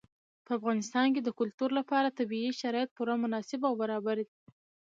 په افغانستان کې د کلتور لپاره طبیعي شرایط پوره مناسب او برابر دي.